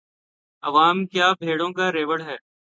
عوام کیا بھیڑوں کا ریوڑ ہے؟